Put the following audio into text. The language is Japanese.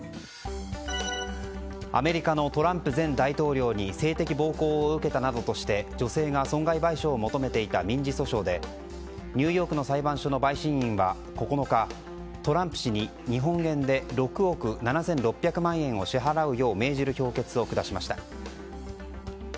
アメリカのトランプ前大統領に性的暴行を受けたなどとして女性が損害賠償を求めていた民事訴訟でニューヨークの裁判所の陪審員は９日トランプ氏に日本円で６億７６００万円を支払うよう命じる評決を下しました。